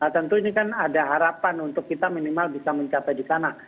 tentu ini kan ada harapan untuk kita minimal bisa mencapai di sana